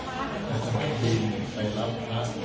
สวัสดีครับ